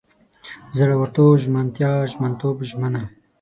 زړورتوب، ژمنتیا، ژمنتوب، ژمنه